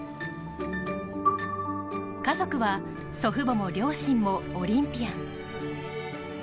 家族は祖父母も両親もオリンピアン。